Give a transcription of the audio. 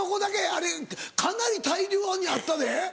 あれかなり大量にあったで。